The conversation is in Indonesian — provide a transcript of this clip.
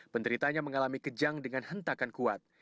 penderitanya mengalami kejang dengan hentakan kuat